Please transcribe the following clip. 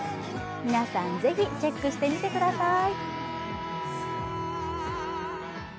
皆さん、ぜひチェックしてみてください。